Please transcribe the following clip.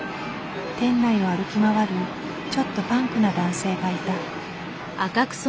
店内を歩き回るちょっとパンクな男性がいた。